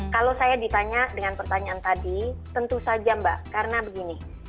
kalau saya ditanya dengan pertanyaan tadi tentu saja mbak karena begini